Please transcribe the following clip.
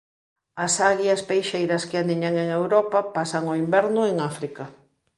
As aguias peixeiras que aniñan en Europa pasan o inverno en África.